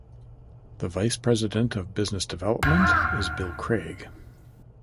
The vice president of business development is Bill Craig.